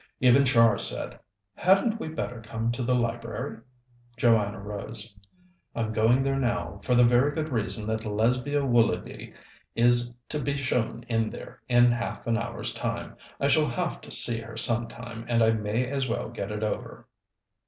Even Char said: "Hadn't we better come to the library?" Joanna rose. "I'm going there now, for the very good reason that Lesbia Willoughby is to be shown in there in half an hour's time. I shall have to see her some time, and I may as well get it over."